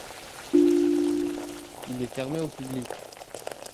Il est fermé au public.